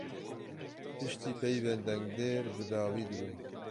Piştî peyvên dengdêr bi dawî dibin.